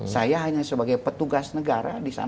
saya hanya sebagai petugas negara